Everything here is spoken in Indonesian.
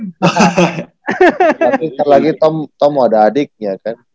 tapi setelah itu tom mau ada adiknya kan